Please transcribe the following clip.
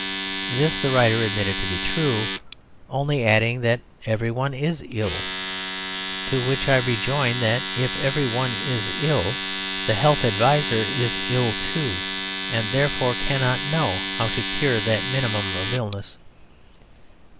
This the writer admitted to be true, only adding that everyone is ill. To which I rejoin that if everyone is ill the health adviser is ill too, and therefore cannot know how to cure that minimum of illness.